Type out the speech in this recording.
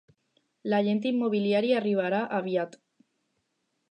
L'agent immobiliari arribarà aviat.